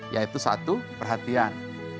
yaitu satu perhatian